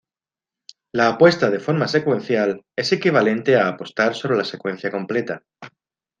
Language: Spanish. La apuesta de forma secuencial es equivalente a apostar sobre la secuencia completa.